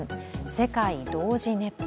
世界同時熱波。